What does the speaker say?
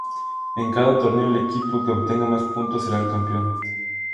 En cada torneo el equipo que obtenga más puntos será el campeón.